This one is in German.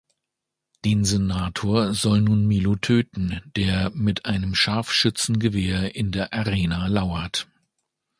Den Senator soll nun Milo töten, der mit einem Scharfschützengewehr in der Arena lauert.